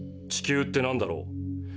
地球ってなんだろう。